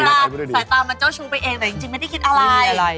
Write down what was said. สายตามันเจ้าชู้ไปเองแต่จริงไม่ได้คิดอะไร